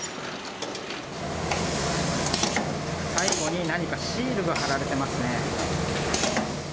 最後に何かシールが貼られてますね。